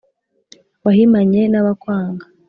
wahimanye n'abakwanga